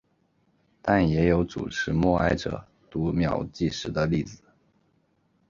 但也有主持默哀者读秒计时的例子。